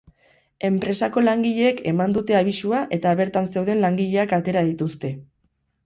Enpresako langileek eman dute abisua eta bertan zeuden langileak atera dituzte.